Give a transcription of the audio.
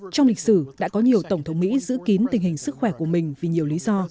trong lịch sử đã có nhiều tổng thống mỹ giữ kín tình hình sức khỏe của mình vì nhiều lý do